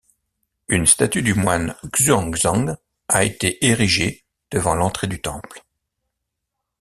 Une statue du moine Xuanzang a été érigée devant l'entrée du temple.